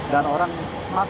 dan orang makin membutuhkan